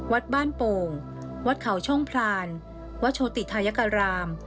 วัดบ้านโป่งวัดเขาช่องพรานวัดโชติธายการาม